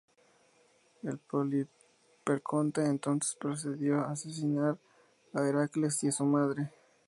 Poliperconte entonces procedió a asesinar a Heracles y a su madre.